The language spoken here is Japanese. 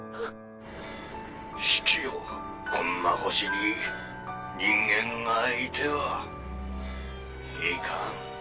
シキよこんな星に人間がいてはいかん。